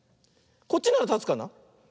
こっちならたつかな。